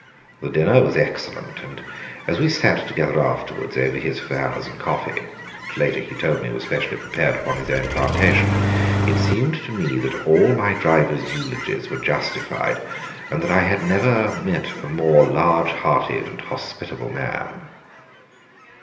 The dinner was excellent, and as we sat together afterwards over his Havanas and coffee, which later he told me was specially prepared upon his own plantation, it seemed to me that all my driver's eulogies were justified, and that I had never met a more large hearted and hospitable man.